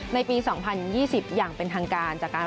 ในปี๒๐๒๐อย่างเป็นทางการ